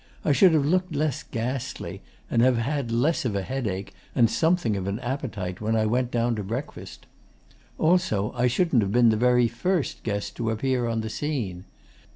I should have looked less ghastly, and have had less of a headache, and something of an appetite, when I went down to breakfast. Also, I shouldn't have been the very first guest to appear on the scene.